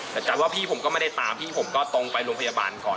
แต่จำว่าพี่ผมก็ไม่ได้ตามพี่ผมก็ตรงไปโรงพยาบาลก่อน